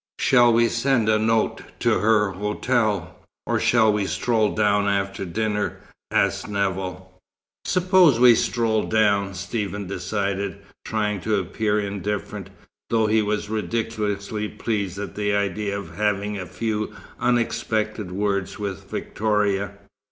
"Shall we send a note to her hotel, or shall we stroll down after dinner?" asked Nevill. "Suppose we stroll down," Stephen decided, trying to appear indifferent, though he was ridiculously pleased at the idea of having a few unexpected words with Victoria.